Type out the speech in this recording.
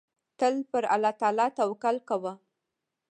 تل پر الله تعالی توکل کوه.